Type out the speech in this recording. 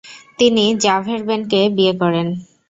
তিনি জাভেরবেনকে বিয়ে করেন ।